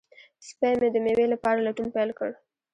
سپی مې د مېوې لپاره لټون پیل کړ.